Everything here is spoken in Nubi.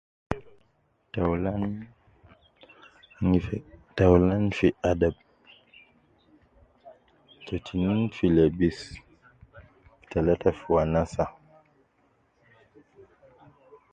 Taulan mfi, taulan fi adab, te tinin fi lebis , te talata fi wanasa